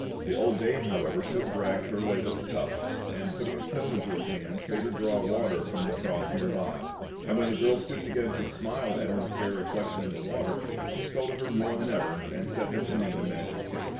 The old dame, however, soon dragged her away with a cuff, and, putting a kettle into her hands, bade her draw water from the trough near by; and when the girl stooped again to smile at her fair reflection in the water, she scolded her more than ever, and set her to knead a magic cake.